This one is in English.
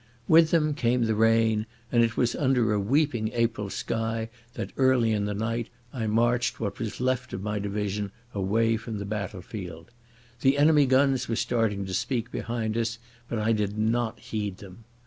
With them came the rain, and it was under a weeping April sky that early in the night I marched what was left of my division away from the battle field. The enemy guns were starting to speak behind us, but I did not heed them.